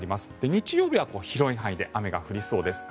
日曜日は広い範囲で雨が降りそうです。